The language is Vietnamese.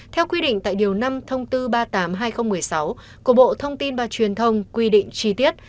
theo quy định tại điều năm thông tư ba mươi tám hai nghìn một mươi sáu của bộ thông tin và truyền thông quy định chi tiết